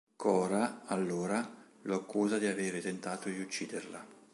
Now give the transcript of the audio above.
Cora, allora, lo accusa di aver tentato di ucciderla.